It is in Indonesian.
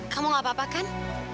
kamu gak apa apa kan